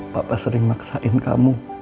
papa sering maksain kamu